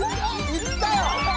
いったよ！